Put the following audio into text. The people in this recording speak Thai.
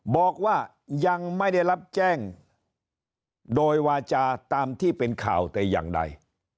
บอกว่ายังไม่ได้รับแจ้งโดยวาจาตามที่เป็นข่าวแต่อย่างใด